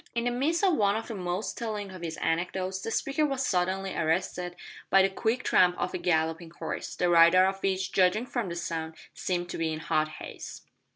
In the midst of one of the most telling of his anecdotes the speaker was suddenly arrested by the quick tramp of a galloping horse, the rider of which, judging from the sound, seemed to be in hot haste.